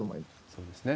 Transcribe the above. そうですね。